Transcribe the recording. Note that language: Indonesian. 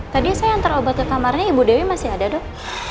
tadi saya antar obat ke kamarnya ibu dewi masih ada dok